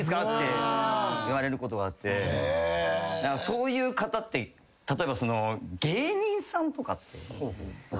そういう方って例えば芸人さんとかって。